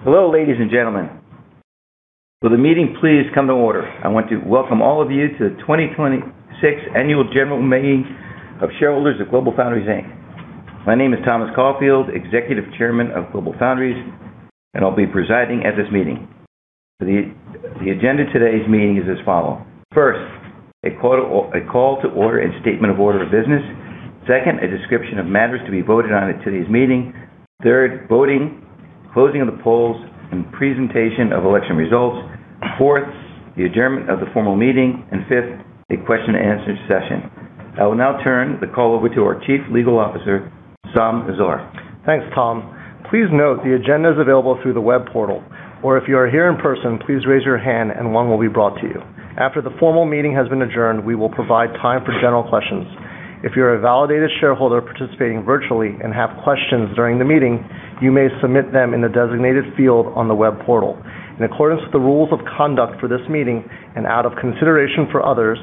Hello, ladies and gentlemen. Will the meeting please come to order? I want to welcome all of you to the 2026 Annual General Meeting of Shareholders of GlobalFoundries, Inc. My name is Thomas Caulfield, Executive Chairman of GlobalFoundries, and I'll be presiding at this meeting. The agenda of today's meeting is as follow. First, a call to order and statement of order of business. Second, a description of matters to be voted on at today's meeting. Third, voting, closing of the polls, and presentation of election results. Fourth, the adjournment of the formal meeting, and fifth, a question and answer session. I will now turn the call over to our Chief Legal Officer, Saam Azar. Thanks, Tom. Please note the agenda is available through the web portal, or if you are here in person, please raise your hand and one will be brought to you. After the formal meeting has been adjourned, we will provide time for general questions. If you're a validated shareholder participating virtually and have questions during the meeting, you may submit them in the designated field on the web portal. In accordance with the rules of conduct for this meeting and out of consideration for others,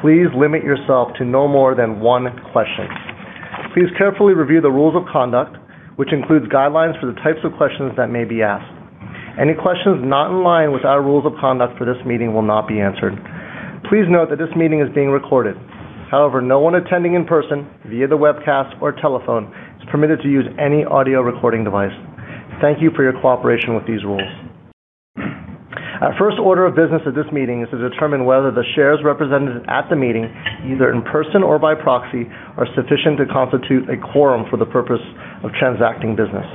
please limit yourself to no more than one question. Please carefully review the rules of conduct, which includes guidelines for the types of questions that may be asked. Any questions not in line with our rules of conduct for this meeting will not be answered. Please note that this meeting is being recorded. However, no one attending in person, via the webcast or telephone is permitted to use any audio recording device. Thank you for your cooperation with these rules. Our first order of business at this meeting is to determine whether the shares represented at the meeting, either in person or by proxy, are sufficient to constitute a quorum for the purpose of transacting business.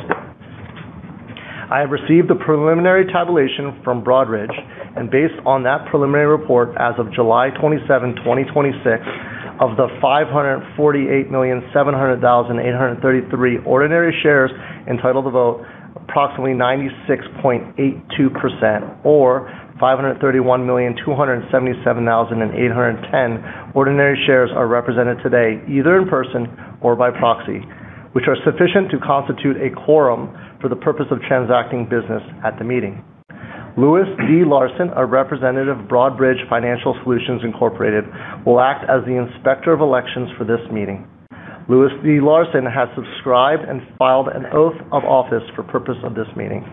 I have received a preliminary tabulation from Broadridge, and based on that preliminary report, as of July 27th, 2026, of the 548,700,833 ordinary shares entitled to vote, approximately 96.82%, or 531,277,810 ordinary shares are represented today, either in person or by proxy, which are sufficient to constitute a quorum for the purpose of transacting business at the meeting. Louis D. Larsen, a Representative of Broadridge Financial Solutions, Inc, will act as the inspector of elections for this meeting. Louis D. Larsen has subscribed and filed an oath of office for purpose of this meeting.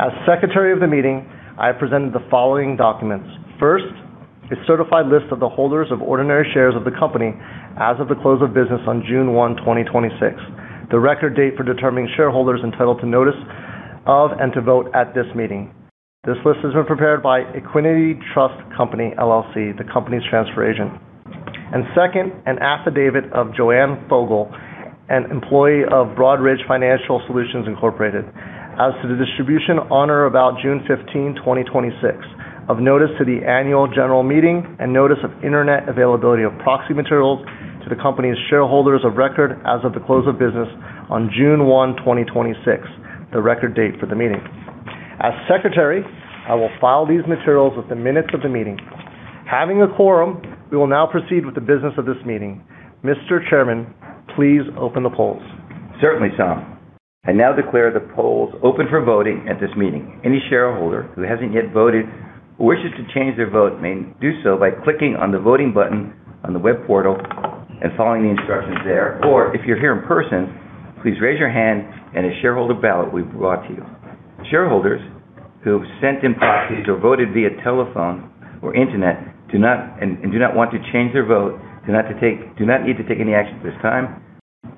As secretary of the meeting, I have presented the following documents. First, a certified list of the holders of ordinary shares of the company as of the close of business on June 1, 2026, the record date for determining shareholders entitled to notice of and to vote at this meeting. This list has been prepared by Equiniti Trust Company, LLC, the company's transfer agent. Second, an affidavit of Joanne Vogel, an employee of Broadridge Financial Solutions, Inc, as to the distribution on or about June 15th, 2026, of notice to the annual general meeting and notice of internet availability of proxy materials to the company's shareholders of record as of the close of business on June 1, 2026, the record date for the meeting. As secretary, I will file these materials with the minutes of the meeting. Having a quorum, we will now proceed with the business of this meeting. Mr. Chairman, please open the polls. Certainly, Saam. I now declare the polls open for voting at this meeting. Any shareholder who hasn't yet voted who wishes to change their vote may do so by clicking on the voting button on the web portal and following the instructions there. If you're here in person, please raise your hand and a shareholder ballot will be brought to you. Shareholders who have sent in proxies or voted via telephone or internet and do not want to change their vote do not need to take any action at this time.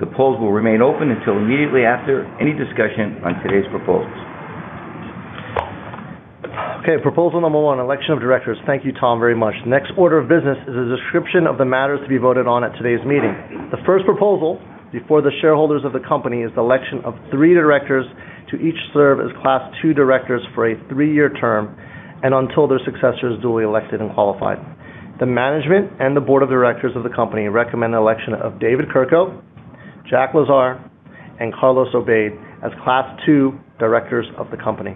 The polls will remain open until immediately after any discussion on today's proposals. Okay. Proposal number one, election of Directors. Thank you, Tom, very much. The next order of business is a description of the matters to be voted on at today's meeting. The first proposal before the shareholders of the company is the election of three Directors to each serve as Class II Directors for a three-year term and until their successor is duly elected and qualified. The management and the Board of Directors of the company recommend the election of David Kerko, Jack Lazar, and Carlos Obeid as Class II Directors of the company.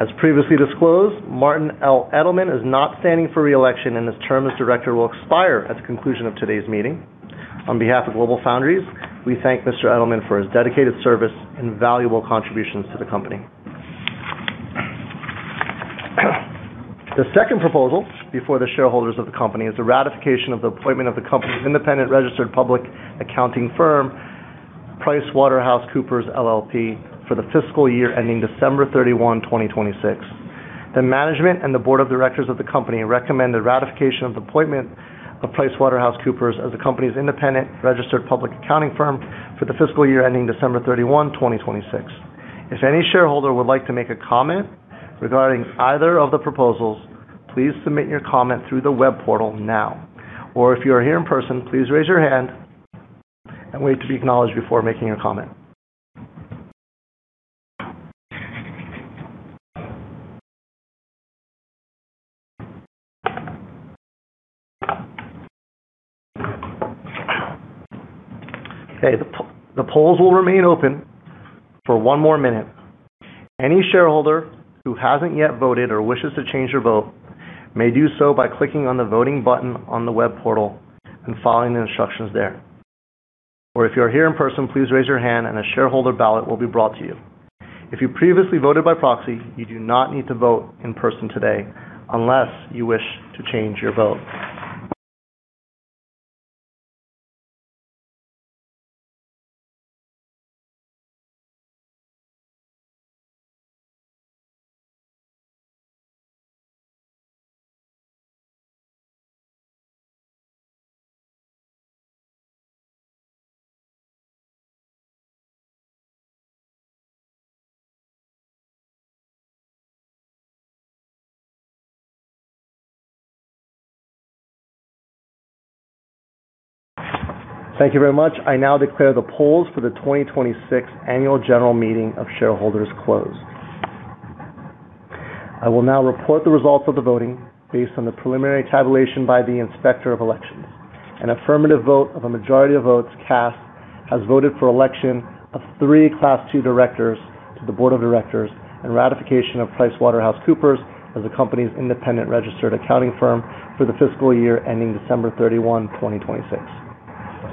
As previously disclosed, Martin L. Edelman is not standing for re-election, and his term as Director will expire at the conclusion of today's meeting. On behalf of GlobalFoundries, we thank Mr. Edelman for his dedicated service and valuable contributions to the company. The second proposal before the shareholders of the company is the ratification of the appointment of the company's independent registered public accounting firm, PricewaterhouseCoopers LLP, for the fiscal year ending December 31, 2026. The management and the Board of Directors of the company recommend the ratification of appointment of PricewaterhouseCoopers as the company's independent registered public accounting firm for the fiscal year ending December 31, 2026. If any shareholder would like to make a comment regarding either of the proposals, please submit your comment through the web portal now. If you are here in person, please raise your hand and wait to be acknowledged before making a comment. Okay. The polls will remain open for one more minute. Any shareholder who hasn't yet voted or wishes to change their vote may do so by clicking on the voting button on the web portal and following the instructions there. If you are here in person, please raise your hand and a shareholder ballot will be brought to you. If you previously voted by proxy, you do not need to vote in person today unless you wish to change your vote. Thank you very much. I now declare the polls for the 2026 annual general meeting of shareholders closed. I will now report the results of the voting based on the preliminary tabulation by the inspector of elections. An affirmative vote of a majority of votes cast has voted for election of three Class II Directors to the Board of Directors and ratification of PricewaterhouseCoopers as the company's independent registered accounting firm for the fiscal year ending December 31, 2026.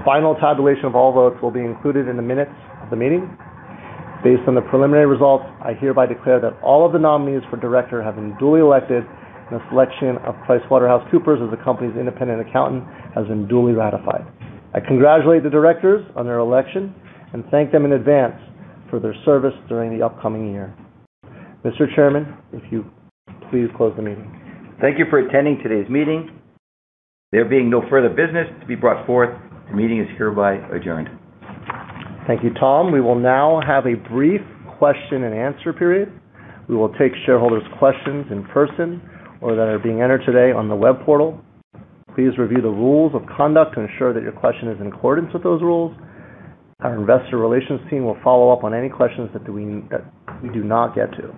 Final tabulation of all votes will be included in the minutes of the meeting. Based on the preliminary results, I hereby declare that all of the nominees for Director have been duly elected and the selection of PricewaterhouseCoopers as the company's independent accountant has been duly ratified. I congratulate the Directors on their election and thank them in advance for their service during the upcoming year. Mr. Chairman, if you would please close the meeting. Thank you for attending today's meeting. There being no further business to be brought forth, the meeting is hereby adjourned. Thank you, Tom. We will now have a brief question and answer period. We will take shareholders' questions in person or that are being entered today on the web portal. Please review the rules of conduct to ensure that your question is in accordance with those rules. Our investor relations team will follow up on any questions that we do not get to,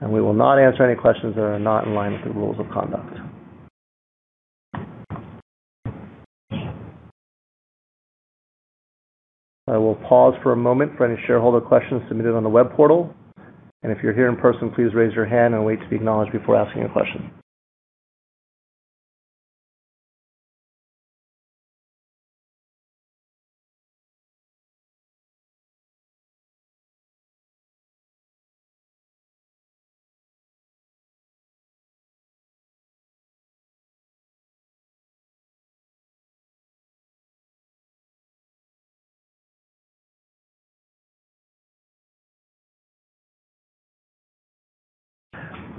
and we will not answer any questions that are not in line with the rules of conduct. I will pause for a moment for any shareholder questions submitted on the web portal. If you're here in person, please raise your hand and wait to be acknowledged before asking a question.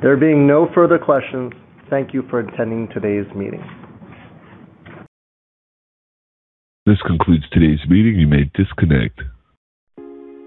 There being no further questions, thank you for attending today's meeting. This concludes today's meeting. You may disconnect.